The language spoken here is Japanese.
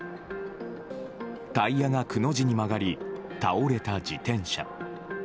タイヤが、くの字に曲がり倒れた自転車。